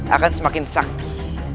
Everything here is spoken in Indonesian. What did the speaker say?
akan semakin sakti